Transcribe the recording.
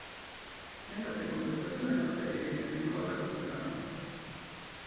Nella seconda stagione la serie viene rinnovata completamente.